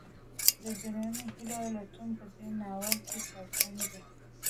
د دروني هیلو لټون په دې ناول کې څرګند دی.